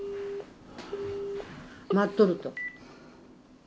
待っとると。